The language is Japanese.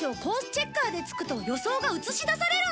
チェッカーでつくと予想が映し出されるんだ